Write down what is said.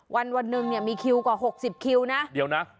วันนึงมีคิวกว่า๖๐คิวนะ